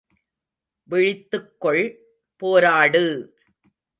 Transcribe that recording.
விழித்துக் கொள், போராடு!